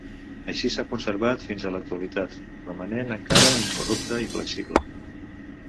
Així s'ha conservat fins a l'actualitat, romanent encara incorrupte i flexible.